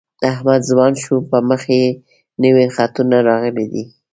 احمد ځوان شو په مخ یې نوي خطونه راغلي دي.